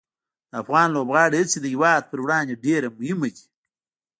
د افغان لوبغاړو هڅې د هېواد پر وړاندې ډېره مهمه دي.